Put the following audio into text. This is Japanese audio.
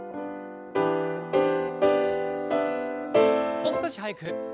もう少し速く。